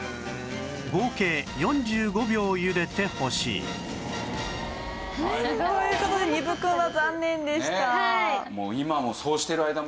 合計４５秒ゆでてほしいという事で丹生くんは残念でした。